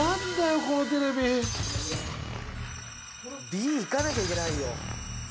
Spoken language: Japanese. Ｂいかなきゃいけないよ。